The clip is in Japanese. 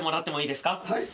はい。